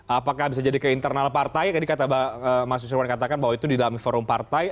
apakah bisa jadi ke internal partai tadi kata mas susirwan katakan bahwa itu di dalam forum partai